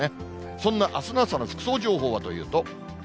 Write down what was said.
そんなあすの朝の服装情報はというと。